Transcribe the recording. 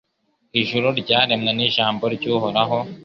Ijuru ryaremwe n’ijambo ry’Uhoraho